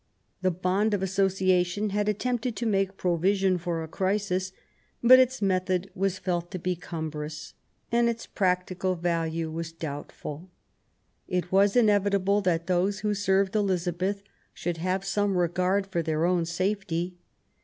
The bond of association had attempted to make provision for a crisis ; but its method was felt to be cumbrous, and its practical value was doubtful. It was inevitable that those who served Elizabeth should have some regard for their own safety.